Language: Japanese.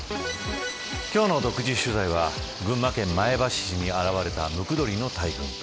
今日の独自取材は群馬県前橋市に現れたムクドリの大群。